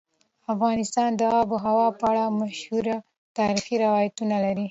افغانستان د آب وهوا په اړه مشهور تاریخي روایتونه لري.